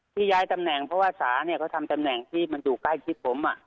ที่ย้ายตำแหน่งเพราะว่าสาเนี่ยเขาทำตำแหน่งที่มันอยู่ใกล้ชิดผม